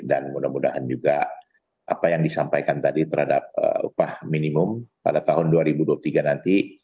dan mudah mudahan juga apa yang disampaikan tadi terhadap upah minimum pada tahun dua ribu dua puluh tiga nanti